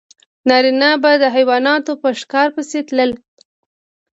نارینه به د حیواناتو په ښکار پسې تلل.